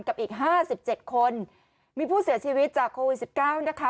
กับอีกห้าสิบเจ็ดคนมีผู้เสียชีวิตจากโควิดสิบเก้านะคะ